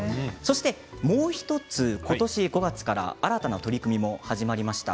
もう１つ、ことし５月から新たな取り組みも始まりました。